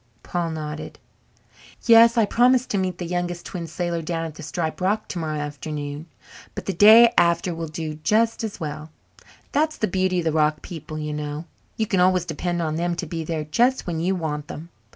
Paul nodded. "Yes. I promised to meet the Youngest Twin Sailor down at the striped rocks tomorrow afternoon, but the day after will do just as well. That is the beauty of the rock people, you know. You can always depend on them to be there just when you want them.